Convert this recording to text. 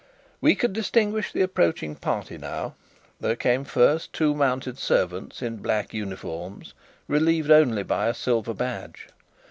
We could distinguish the approaching party now. There came first two mounted servants in black uniforms, relieved only by a silver badge.